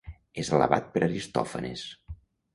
És alabat per Aristòfanes.